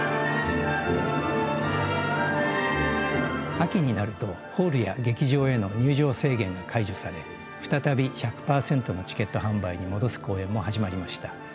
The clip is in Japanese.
秋になるとホールや劇場への入場制限が解除され再び１００％のチケット販売に戻す公演も始まりました。